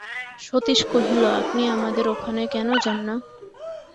সতীশ কহিল, আপনি আমাদের ওখানে কেন যান না?